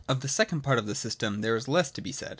Of the second part of the system there is less to be said.